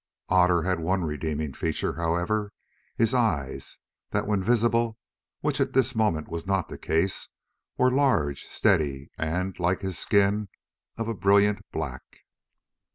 Otter had one redeeming feature, however—his eyes, that when visible, which at this moment was not the case, were large, steady, and, like his skin, of a brilliant black.